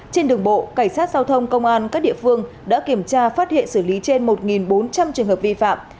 trên đường bộ cảnh sát giao thông công an các địa phương đã kiểm tra phát hiện xử lý trên một bốn trăm linh trường hợp vi phạm